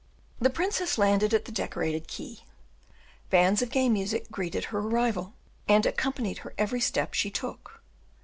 The princess landed at the decorated quay. Bands of gay music greeted her arrival, and accompanied her every step she took.